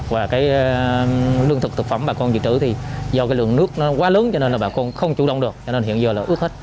và cái lương thực thực phẩm bà con dự trữ thì do cái lượng nước nó quá lớn cho nên là bà con không chủ động được cho nên hiện giờ là ướt hết